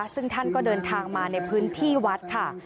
ซึ่งท่านก็เดินทางมาในพื้นที่วัดค่ะ